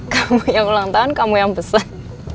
kamu yang ulang tahun kamu yang pesan